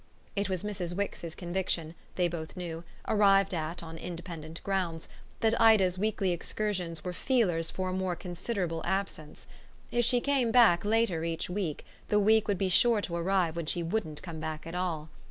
It was Mrs. Wix's conviction, they both knew, arrived at on independent grounds, that Ida's weekly excursions were feelers for a more considerable absence. If she came back later each week the week would be sure to arrive when she wouldn't come back at all.